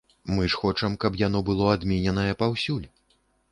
Мы ж хочам, каб яно было адмененае паўсюль.